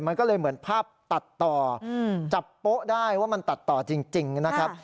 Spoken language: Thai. มันก็เลยเหมือนภาพตัดต่อจับโป๊ะได้ว่ามันตัดต่อจริงนะครับ